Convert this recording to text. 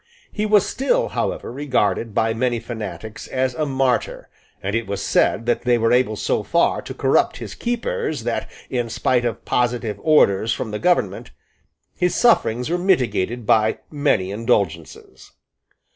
He was still, however, regarded by many fanatics as a martyr; and it was said that they were able so far to corrupt his keepers that, in spite of positive orders from the government, his sufferings were mitigated by many indulgences.